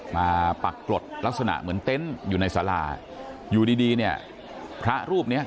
มาปรากฏลักษณะเหมือนเต็นต์อยู่ในสาราอยู่ดีดีเนี่ยพระรูปเนี้ย